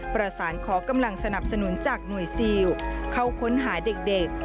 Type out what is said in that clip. ประสานขอกำลังสนับสนุนจากหน่วยซิลเข้าค้นหาเด็ก